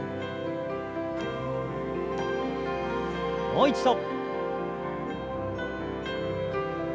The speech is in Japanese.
もう一度。